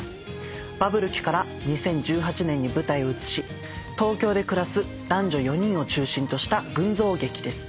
バブル期から２０１８年に舞台を移し東京で暮らす男女４人を中心とした群像劇です。